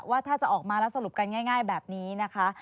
ว่าถ้าจะออกมาแล้วสรุปกันง่ายแบบนี้นะคะ